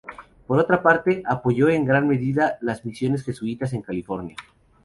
Por otra parte, apoyó en gran medida, las misiones jesuitas en California.